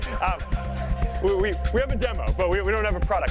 kami memiliki demo tapi kami belum memiliki produk